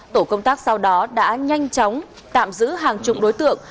tổ công tác sau đó đã nhanh chóng tạm giữ hàng chục đối tượng